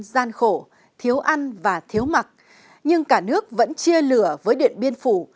gian khổ thiếu ăn và thiếu mặc nhưng cả nước vẫn chia lửa với điện biên phủ